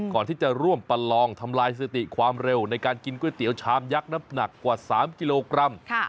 ก่อนที่จะร่วมประลองทำลายสติความเร็วในการกินก๋วยเตี๋ยวชามยักษ์น้ำหนักกว่า๓กิโลกรัม